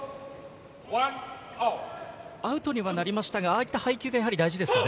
アウトにはなりましたが、あいた配球が大事ですね。